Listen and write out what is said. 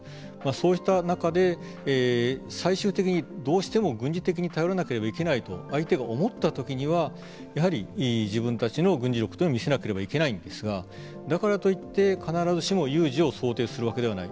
そうした中で最終的にどうしても軍事的に頼らなければいけないと相手が思った時にはやはり自分たちの軍事力を見せなければいけないんですがだからといって必ずしも有事を想定するわけではない。